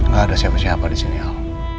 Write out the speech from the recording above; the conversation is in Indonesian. gak ada siapa siapa disini al